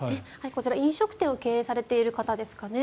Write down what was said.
こちら、飲食店を経営されている方ですかね。